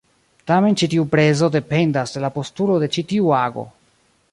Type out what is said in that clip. Tamen ĉi tiu prezo dependas de la postulo de ĉi tiu ago.